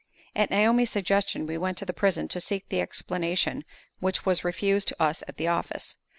At Naomi's suggestion, we went to the prison to seek the explanation which was refused to us at the office.